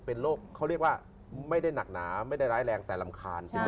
เป็นโรคเขาเรียกว่าไม่ได้หนักหนาไม่ได้ร้ายแรงแต่รำคาญ